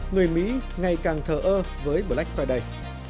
người mỹ ngày càng thờ ơ với black friday